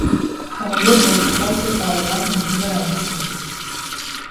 تمایل به انتقاد که غالبا موجب رنجش میشد